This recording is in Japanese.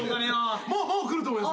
もう来ると思います。